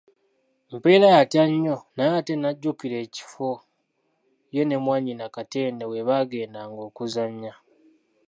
Mpeera yatya nnyo naye ate n'ajjukira ekifo ye ne mwannyina Katende we baagendanga okuzannya.